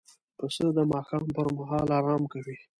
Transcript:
پسه د ماښام پر مهال آرام کوي.